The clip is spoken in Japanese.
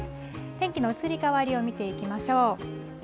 天気の移り変わりを見ていきましょう。